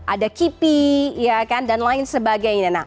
ada kipi dan lain sebagainya